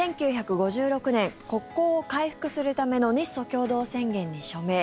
１９５６年国交を回復するための日ソ共同宣言に署名。